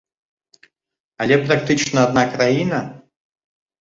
Але практычна адна краіна?